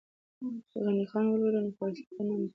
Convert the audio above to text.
که غني خان ولولو نو فلسفه نه مري.